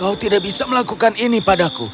kau tidak bisa melakukan ini padaku